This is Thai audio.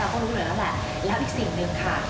แล้วอีกสิ่งหนึ่งค่ะที่อยากจะบอกคุณผู้ชม